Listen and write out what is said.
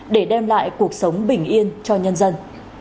để đem lại cuộc sống bình yên cho nhân dân